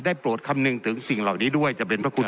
โปรดคำนึงถึงสิ่งเหล่านี้ด้วยจะเป็นพระคุณ